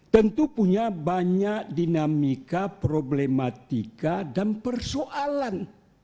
tentu punya banyak dinamika problematika dan persoalan